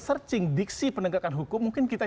searching diksi penegakan hukum mungkin kita